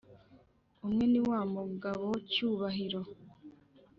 umwe niwa mugabo cyubahiro